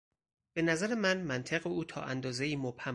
به نظر من منطق او تا اندازهای مبهم بود.